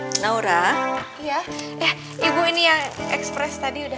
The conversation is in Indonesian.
menawar matanya gita berusaha tolong dia